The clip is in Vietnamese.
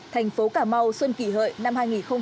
thành phố cà mau xuân kỷ hợi năm hai nghìn một mươi chín